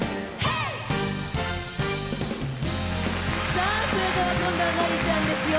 さあそれでは今度はマリちゃんですよ。